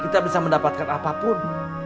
kita bisa mendapatkan apapun